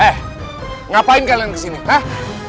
hah ngapain kalian kesini hah